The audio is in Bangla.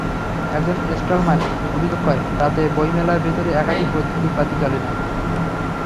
একজন স্টলমালিক অভিযোগ করেন, রাতে বইমেলার ভেতরে একাধিক বৈদ্যুতিক বাতি জ্বলে না।